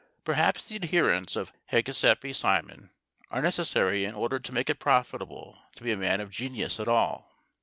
Perhaps the adherents of Hégésippe Simon are necessary in order to make it profitable to be a man of genius at all.